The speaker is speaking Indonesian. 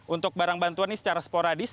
untuk barang bantuan ini secara sporadis